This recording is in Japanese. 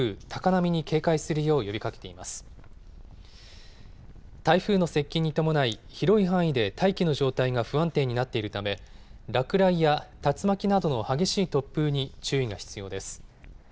台風の接近に伴い広い範囲で大気の状態が不安定になっているため落雷や竜巻などの激しい突風に注意が必要です。